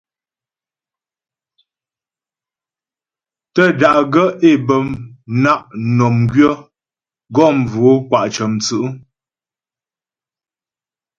Tə́ da'gaə́ é bə na' mnɔm gwyə̌ gɔ mvo'o kwa' cə̀mwtsǔ'.